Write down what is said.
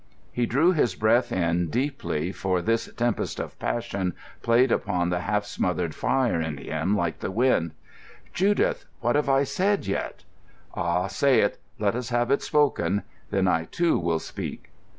He drew his breath in deeply, for this tempest of passion played upon the half smothered fire in him like the wind. "Judith, what have I said yet?" "Ah, say it; let us have it spoken. Then I, too, will speak."